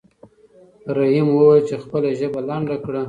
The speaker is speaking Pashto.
رحیم وویل چې خپله ژبه لنډه کړه.